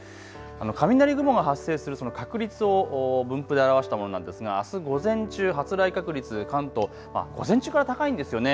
雷雲が発生する確率を分布で表したものなんですがあす午前中、発雷確率、関東、午前中から高いんですよね。